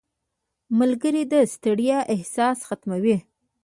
• ملګری د ستړیا احساس ختموي.